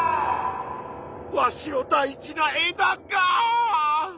わしの大事な枝が！